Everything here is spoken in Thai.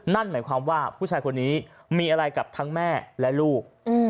นั่นหมายความว่าผู้ชายคนนี้มีอะไรกับทั้งแม่และลูก